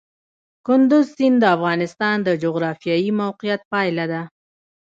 کندز سیند د افغانستان د جغرافیایي موقیعت پایله ده.